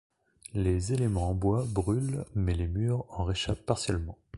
Les éléments en bois brûlent mais les murs en réchappent partiellement.